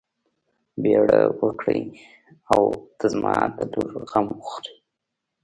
بيړه وکړئ او د زما د لور غم وخورئ.